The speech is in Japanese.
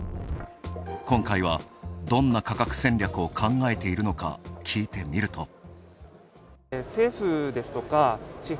今回はどんな価格戦略を考えているのか聞いてみると。